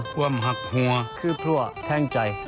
ความหักหัวคือพลั่วแท่งใจ